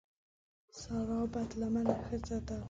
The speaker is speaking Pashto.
سارا بدلمنه ښځه ده.